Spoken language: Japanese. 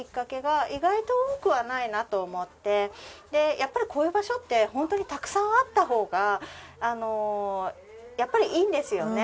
やっぱりこういう場所ってホントにたくさんあったほうがやっぱりいいんですよね。